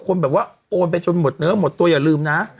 คนแบบว่าโอนไปจนหมดเนื้อหมดตัวอย่าลืมนะ